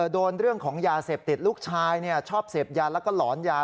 เรื่องของยาเสพติดลูกชายชอบเสพยาแล้วก็หลอนยา